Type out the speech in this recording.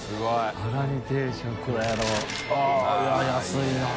安いなぁ。